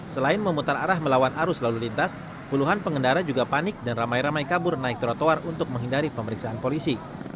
selain memutar arah melawan arus lalu lintas puluhan pengendara juga panik dan ramai ramai kabur naik trotoar untuk menghindari pemeriksaan polisi